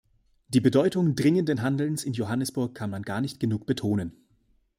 Die Bedeutung dringenden Handelns in Johannesburg kann man gar nicht genug betonen.